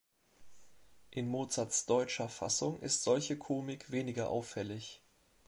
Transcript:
In Mozarts deutscher Fassung ist solche Komik weniger auffällig.